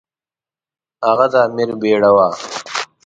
هغه د امیر بیړه وه.